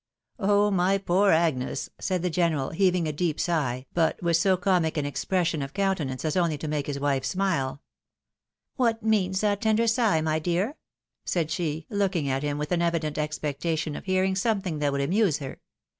" Oh, my poor Agnes !" said the general, heaving a deep sigh, but with so comic an expression of countenance as only to make his wife smile. " \VTiat means that tender sigh, my dear ?" said she, looking at him with an evident expectation of hearing something that would amuse her.